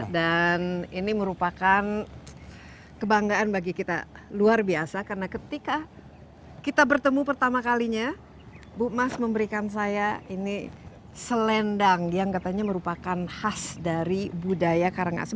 dan ini merupakan kebanggaan bagi kita luar biasa karena ketika kita bertemu pertama kalinya bu mas memberikan saya ini selendang yang katanya merupakan khas dari budaya karangasem